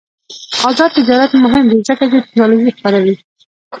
آزاد تجارت مهم دی ځکه چې تکنالوژي خپروي.